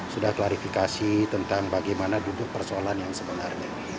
sudah klarifikasi tentang bagaimana duduk persoalan yang sebenarnya